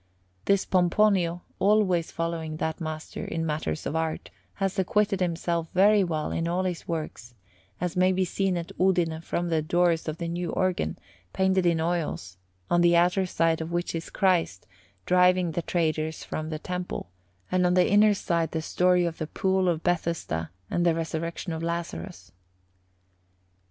This Pomponio, always following that master in matters of art, has acquitted himself very well in all his works, as may be seen at Udine from the doors of the new organ, painted in oils, on the outer side of which is Christ driving the traders from the Temple, and on the inner side the story of the Pool of Bethesda and the Resurrection of Lazarus.